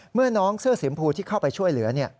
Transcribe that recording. เมื่อน้องเสื้อสีมพูที่เข้าไปช่วยเหลือ